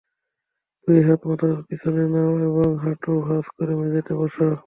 দুই হাত মাথার পিছনে নাও, এবং হাটু ভাঁজ করে মেঝেতে বস।